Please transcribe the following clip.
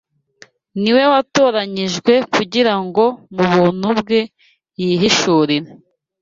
ni we watoranyijwe kugira ngo mu bumuntu bwe yihishurire